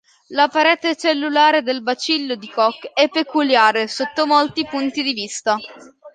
La parete cellulare del bacillo di Koch è peculiare sotto molti punti di vista.